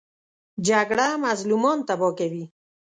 جګړه مظلومان تباه کوي